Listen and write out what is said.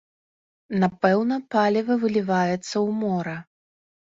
Напэўна, паліва выліваецца ў мора.